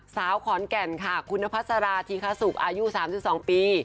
สาวขอนแก่นค่ะคุณนพัสราธีคสุกอายุ๓๒ปี